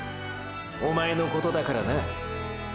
おまえのことだからな。